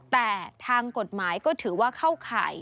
แต่ทางกฎหมายก็ถือว่าเข้าข่าย